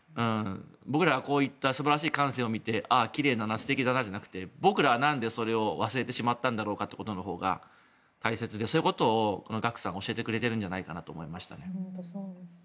僕ら、こういった素晴らしい感性を見てああ、奇麗だな素敵だなじゃなくて僕らはなんでそれを忘れてしまったんだろうということのほうが大切でそういうことをＧＡＫＵさんは教えてくれているんじゃないかなと思います。